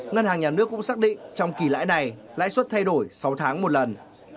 ngân hàng nhà nước cũng xác định trong kỳ lãi này lãi suất thay đổi sáu tháng một lần